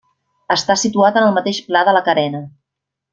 Està situat en el mateix pla de la carena.